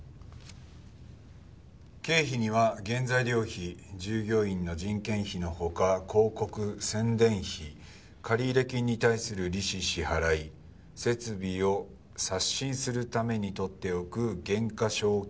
「経費には原材料費従業員の人件費の他広告・宣伝費借入金に対する利子支払い設備を刷新するために取っておく減価償却費なども含まれる」